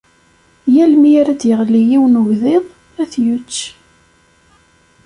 Yall mi ara d-yeɣli yiwen ugdiḍ, ad t-yečč.